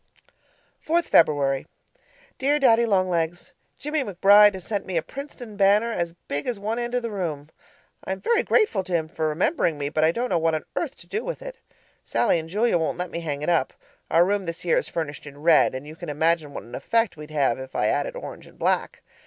4th February Dear Daddy Long Legs, Jimmie McBride has sent me a Princeton banner as big as one end of the room; I am very grateful to him for remembering me, but I don't know what on earth to do with it. Sallie and Julia won't let me hang it up; our room this year is furnished in red, and you can imagine what an effect we'd have if I added orange and black.